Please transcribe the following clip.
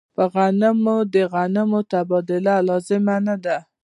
په غنمو د غنمو تبادله لازمه نه ده.